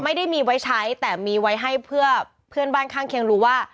ไม่ได้มีไว้ใช้แต่มีไว้ให้เพื่อเพื่อนบ้านข้างเคียงรู้ว่า